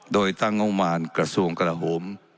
โดยตั้งงบมารกระทรวงกระโหม